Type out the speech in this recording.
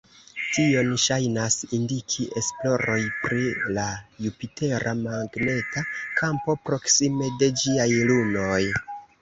Tion ŝajnas indiki esploroj pri la Jupitera magneta kampo proksime de ĝiaj lunoj.